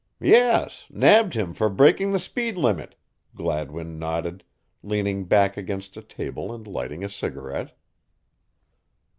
"Yes, nabbed him for breaking the speed limit," Gladwin nodded, leaning back against a table and lighting a cigarette.